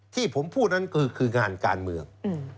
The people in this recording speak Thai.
ที่ผมพูดนั้นคืองานการเมือง